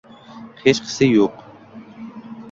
hechqisi yo'q.